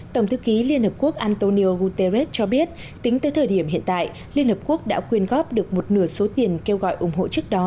tổng thư ký liên hợp quốc antonio guterres cho biết tính tới thời điểm hiện tại liên hợp quốc đã quyên góp được một nửa số tiền kêu gọi ủng hộ trước đó